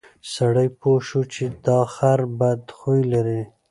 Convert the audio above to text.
سړي پوه شو چې دا خر بد خوی لري.